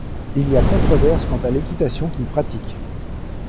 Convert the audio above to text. Il y a controverse quant à l'équitation qu'il pratique.